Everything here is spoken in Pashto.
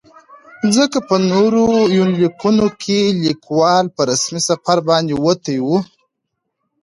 ځکه په نورو يونليکونو کې ليکوال په رسمي سفر باندې وتى و.